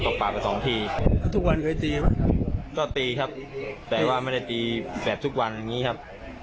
แบบทุกวันอย่างนี้ครับ